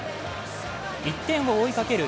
１点を追いかける